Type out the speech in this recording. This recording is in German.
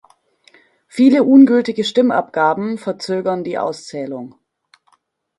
Viele ungültige Stimmabgaben verzögern die Auszählung.